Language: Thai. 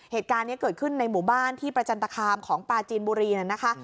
เหตุการณ์นี้เกิดขึ้นในหมู่บ้านที่ประจันตคามของปลาจีนบุรีนะคะ